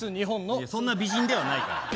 いやそんな美人ではないから。